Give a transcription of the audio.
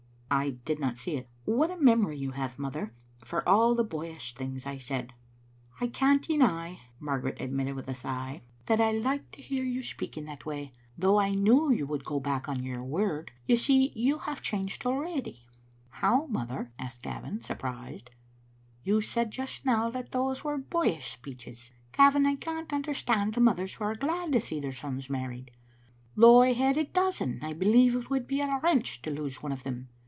" I did not see it. What a memory you hdve, mother, for all the boyish things I said." I can't deny," Margaret admitted with a sigh, " that Digitized by VjOOQ IC 188 XSbc xmie Atnf0ter. I liked to hear you speak in that way, though I knew you would go back on your word. You see, you have changed already." " How, mother?" asked Gavin, surprised. " You said just now that those were boyish speeches. Gavin, I can't understand the mothers who are glad to see their sons married; though I had a dozen I believe it would be a wrench to lose one of them.